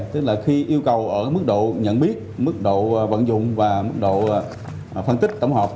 tức là khi yêu cầu ở mức độ nhận biết mức độ vận dụng và mức độ phân tích tổng hợp